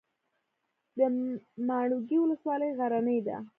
د ماڼوګي ولسوالۍ غرنۍ ده